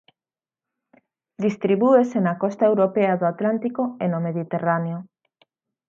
Distribúese na costa europea do Atlántico e no Mediterráneo.